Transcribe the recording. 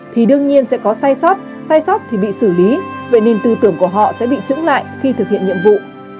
thì đương nhiên sẽ có sai sót sai sót thì bị xử lý vậy nên tư tưởng của họ sẽ bị trứng lại khi thực hiện nhiệm vụ